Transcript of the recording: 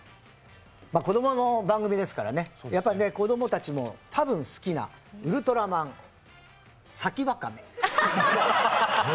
子供の番組ですから、子供たちもたぶん好きな、ウルトラマンさきわかめ。